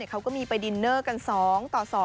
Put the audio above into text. เขาก็มีไปดินเนอร์กัน๒ต่อ๒